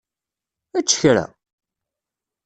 Ečč kra!